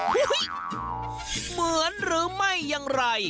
เหมือนหรือไม่อย่างไร